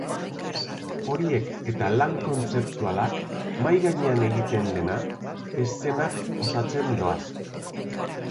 Horiek eta lan kontzeptualak, mahai gainean egiten dena, eszenak osatzen doaz.